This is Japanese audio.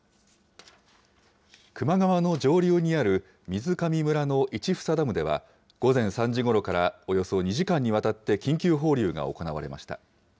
球磨川の上流にあるみずかみ村の市房ダムでは、午前３時ごろからおよそ２時間にわたって緊急放流が行われました。